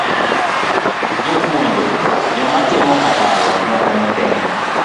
Jopuonje, joma timo ohala nyaka nyithindo